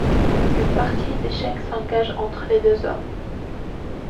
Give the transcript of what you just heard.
Une partie d’échec s’engage entre les deux hommes.